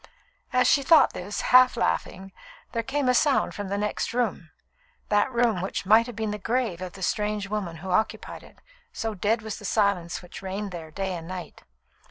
As she thought this, half laughing, there came a sound from the next room that room which might have been the grave of the strange woman who occupied it, so dead was the silence which reigned there day and night.